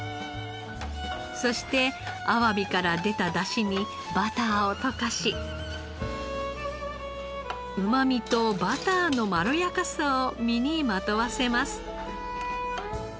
そしてあわびから出たダシにバターを溶かしうまみとバターのまろやかさを身にまとわせます。